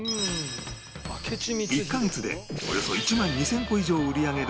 １カ月でおよそ１万２０００個以上売り上げる